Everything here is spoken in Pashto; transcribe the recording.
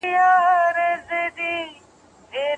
ځینې متخصصان د نوي رنګ کشف نه مني.